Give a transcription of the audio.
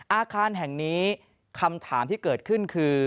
อาคารแห่งนี้คำถามที่เกิดขึ้นคือ